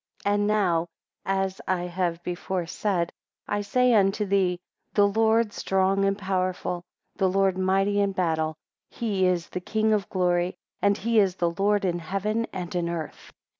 And now, as I have before said, I say unto thee, the Lord strong and powerful, the Lord mighty in battle: he is the King of Glory, and he is the Lord in heaven and in earth.